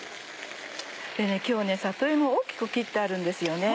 今日里芋大きく切ってあるんですよね。